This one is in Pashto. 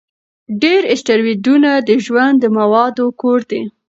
ډېر اسټروېډونه د ژوند د موادو کور دي.